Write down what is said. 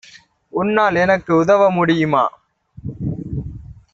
உன்னால் எனக்கு உதவ முடியுமா?